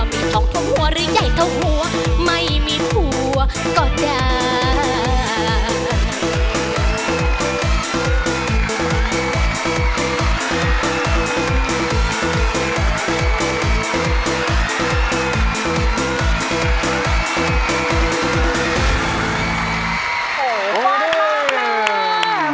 มีทองเท่าหัวหรือใหญ่เท่าหัวไม่มีผัวก็ได้